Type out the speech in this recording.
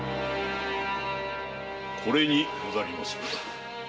これにございまするが。